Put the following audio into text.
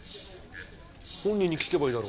本人に聞けばいいだろ。